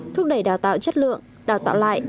thúc đẩy đào tạo chất lượng đào tạo lại